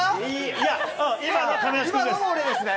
いや、今のも俺ですね。